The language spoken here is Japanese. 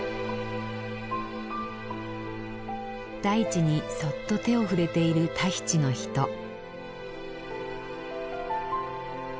大地にそっと手を触れているタヒチの人。